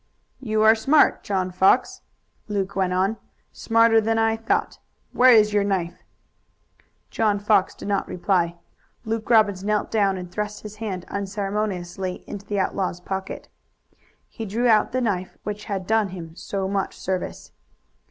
"You are smart, John Fox," Luke went on, "smarter than I thought. Where is your knife?" John Fox did not reply. Luke Robbins knelt down and thrust his hand unceremoniously into the outlaw's pocket. He drew out the knife which had done him so much service.